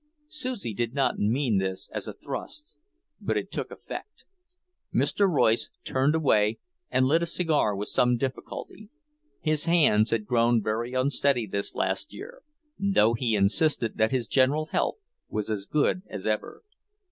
Susie did not mean this as a thrust, but it took effect. Mr. Royce turned away and lit a cigar with some difficulty. His hands had grown very unsteady this last year, though he insisted that his general health was as good as ever.